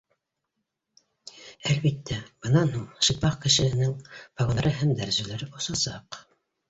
Әлбиттә, бынан һуң шипах кешенең погондары һәм дәрәжәләре осасаҡ